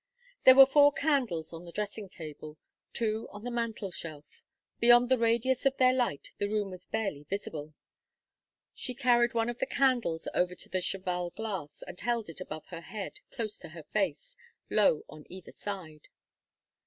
There were four candles on the dressing table, two on the mantel shelf; beyond the radius of their light the room was barely visible. She carried one of the candles over to the cheval glass and held it above her head, close to her face, low on either side.